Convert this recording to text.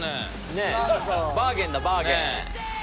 ねえバーゲンだバーゲン。